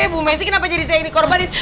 bu messi kenapa jadi saya yang dikorbanin